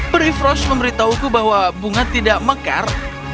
peri frost memberitahuku bahwa bunga tidak mekar